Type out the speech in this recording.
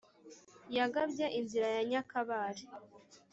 yagabye inzira ya nyakabare.